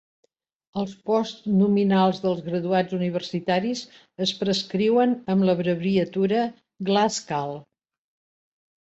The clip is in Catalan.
Els post-nominals dels graduats universitaris es prescriuen amb l'abreviatura "GlasCal".